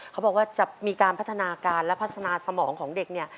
เขาบอกว่าจะมีการพัฒนาการและพัฒนาสมองของเด็กเนี่ย